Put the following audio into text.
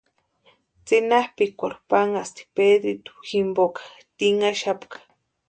Tsʼinapʼikwarhu panhasti Pedritu jimpoka tinhaxapka.